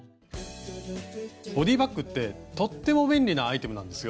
ボディーバッグってとっても便利なアイテムなんですよ。